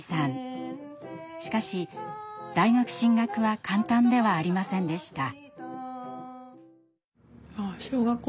しかし大学進学は簡単ではありませんでした。